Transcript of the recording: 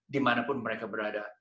dimanapun mereka berada